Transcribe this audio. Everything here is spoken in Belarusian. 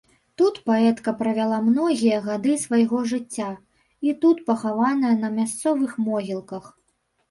Тут паэтка правяла многія гады свайго жыцця, і тут пахаваная на мясцовых могілках.